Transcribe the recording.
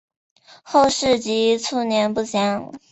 后事及卒年不详。